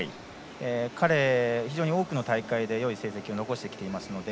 彼は非常に多くの大会でよい成績を残してきていますので。